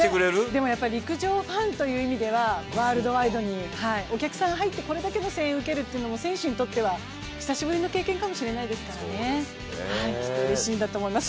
でも陸上ファンという意味ではワールドワイドにお客さんが入ってこれだけの声援を受けるというのは選手にとっては久しぶりの経験かもしれないですから、きっとうれしいんだと思います。